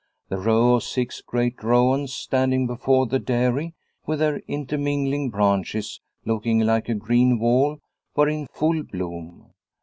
The row of six great rowans standing before the dairy, with their intermingling branches looking like a green wall, were in full bloom.